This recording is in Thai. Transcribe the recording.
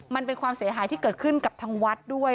มันเป็นความเสียหายที่เกิดขึ้นกับทางวัดด้วย